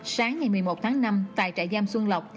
sáng ngày một mươi một tháng năm tại trại giam xuân lộc